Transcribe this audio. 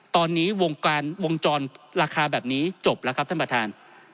ตอนนี้วงการวงจรราคาแบบนี้จบแล้วครับท่านประธาน